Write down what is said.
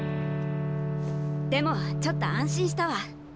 でもちょっと安心したわ。